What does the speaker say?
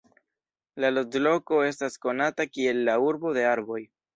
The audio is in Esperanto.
La loĝloko estas konata kiel la "Urbo de Arboj".